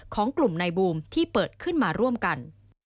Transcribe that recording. ของกลุ่มนายบูมที่เปิดขึ้นมาร่วมกัน